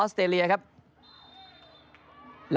ทีมไทยบ้างครับทิ้งบอล